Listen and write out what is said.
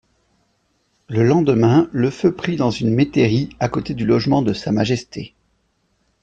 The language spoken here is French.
Le lendemain le feu prit dans une métairie à côté du logement de Sa Majesté.